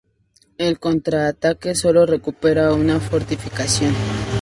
El contraataque solo recupera una fortificación.